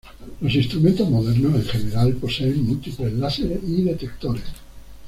Los instrumentos modernos en general poseen múltiples láseres y detectores.